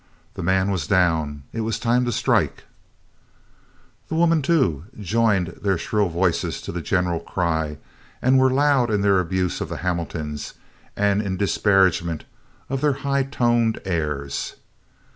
The man was down, it was time to strike. The women too joined their shrill voices to the general cry, and were loud in their abuse of the Hamiltons and in disparagement of their high toned airs.